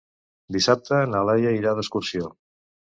Dissabte na Laia irà d'excursió.